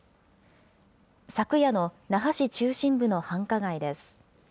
昨夜の那覇市中心部の繁華街です。